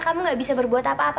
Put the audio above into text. kamu gak bisa berbuat apa apa